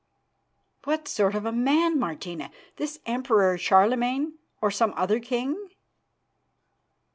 "What sort of a man, Martina? This Emperor Charlemagne, or some other king?"